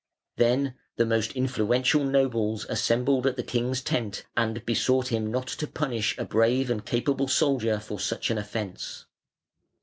Then the most influential nobles assembled at the king's tent, and besought him not to punish a brave and capable soldier for such an offence.